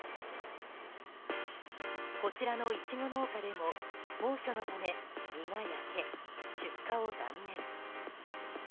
こちらのイチゴ農家でも猛暑のため実が焼け、出荷を断念。